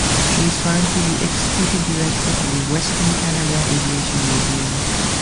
She is currently the executive director of the Western Canada Aviation Museum.